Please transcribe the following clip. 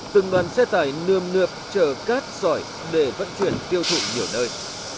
từng đoàn xe tải nườm nượp chở cát xoài để vận chuyển tiêu thụ nhiều nơi